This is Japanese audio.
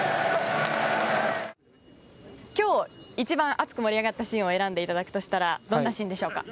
今日一番熱く盛り上がったシーンを選んでいただくとしたらどんなシーンでしょうか。